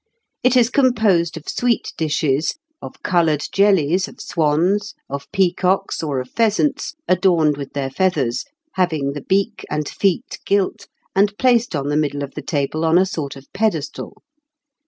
It is composed of sweet dishes, of coloured jellies of swans, of peacocks, or of pheasants adorned with their feathers, having the beak and feet gilt, and placed on the middle of the table on a sort of pedestal.